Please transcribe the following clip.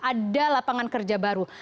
ada lapangan kerja baru